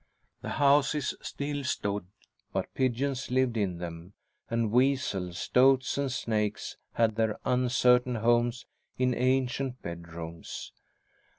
The houses still stood, but pigeons lived in them, and weasels, stoats and snakes had their uncertain homes in ancient bedrooms.